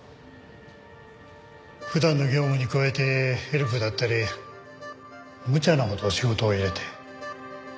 普段の業務に加えてヘルプだったりむちゃなほど仕事を入れて。